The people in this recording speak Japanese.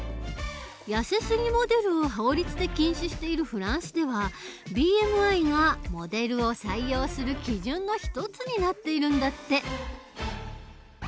やせすぎモデルを法律で禁止しているフランスではＢＭＩがモデルを採用する基準の一つになっているんだって。